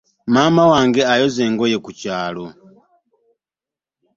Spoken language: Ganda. Maama wange ayoza ngoye ku kyalo.